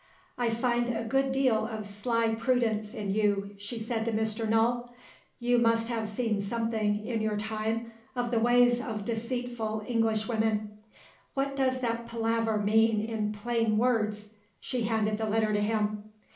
"I find a good deal of sly prudence in you," she said to Mr. Null. "You must have seen something, in your time, of the ways of deceitful Englishwomen. What does that palaver mean in plain words?" She handed the letter to him.